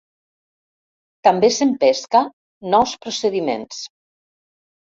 També s'empesca nous procediments.